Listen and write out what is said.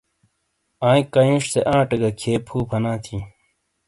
آئیں کانئیش آٹے گہ کھیئے فُو فنا تھِیں۔